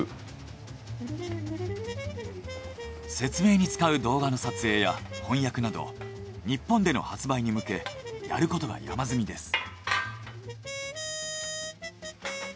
説明に使う動画の撮影や翻訳など日本での発売に向けやることが山積みです。